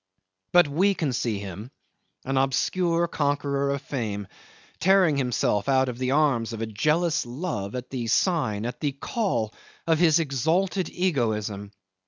'But we can see him, an obscure conqueror of fame, tearing himself out of the arms of a jealous love at the sign, at the call of his exalted egoism.